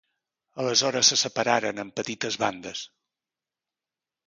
Aleshores se separaren en petites bandes.